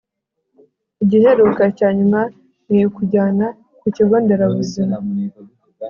igiheruka(icyanyuma) ni ukujyana kukigonderabuzima